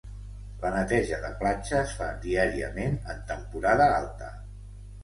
La neteja de platja es fa diàriament en temporada alta.